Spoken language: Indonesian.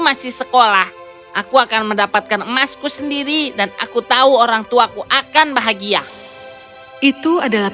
masih sekolah aku akan mendapatkan emasku sendiri dan aku tahu orangtuaku akan bahagia itu adalah